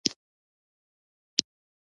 نرو ښځې پرلپسې لمانځه ته راننوځي.